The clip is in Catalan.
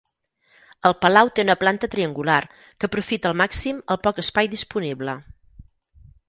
El palau té una planta triangular, que aprofita al màxim el poc espai disponible.